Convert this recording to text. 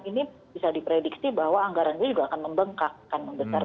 ini bisa diprediksi bahwa anggarannya juga akan membengkak akan membesar